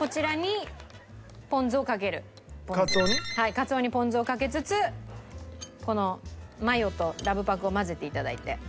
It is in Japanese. カツオにポン酢をかけつつこのマヨとラブパクを混ぜていただいて。